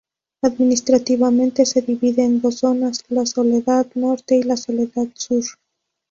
Administrativamente se divide en dos zonas, la Soledad norte y la Soledad sur.